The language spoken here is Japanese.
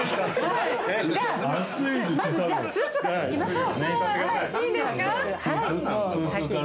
まず、スープからいきましよう。